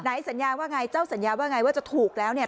สัญญาว่าไงเจ้าสัญญาว่าไงว่าจะถูกแล้วเนี่ย